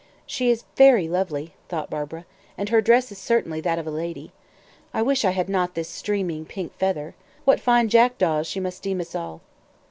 "She is very lovely," thought Barbara, "and her dress is certainly that of a lady. I wish I had not had this streaming pink feather. What fine jackdaws she must deem us all!"